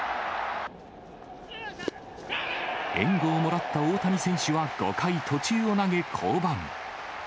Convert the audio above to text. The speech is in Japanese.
援護をもらった大谷選手は５回途中を投げ、降板。